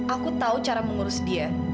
aku tahu cara mengurus dia